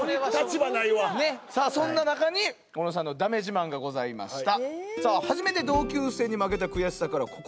さあそんな中に小野さんのだめ自慢がございました。